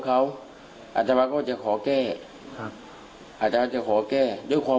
เขาอาจจะมาก็จะขอแก้ครับอาจจะขอแก้ด้วยความ